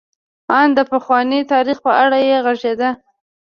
ان د پخواني تاریخ په اړه یې غږېده.